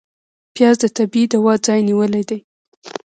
پیاز د طبعي دوا ځای نیولی دی